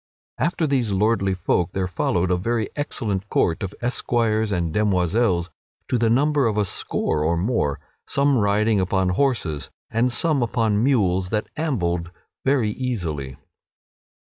After these lordly folk there followed a very excellent court of esquires and demoiselles to the number of a score or more; some riding upon horses and some upon mules that ambled very easily.